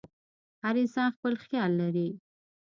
هر انسان خپل خیال لري.